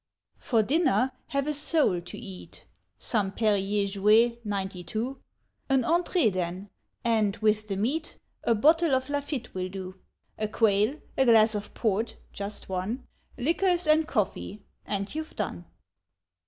For dinner have a sole to eat, (Some Perrier Jouet, '92,) An Entrée then (and, with the meat, A bottle of Lafitte will do), A quail, a glass of port (just one), Liqueurs and coffee, and you've done.